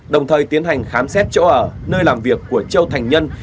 đồng thời tiến hành khám xét chỗ ở nơi làm việc của châu thành nhân